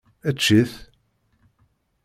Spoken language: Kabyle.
Ečč-it.